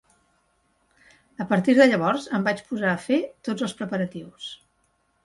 A partir de llavors, em vaig posar a fer tots els preparatius.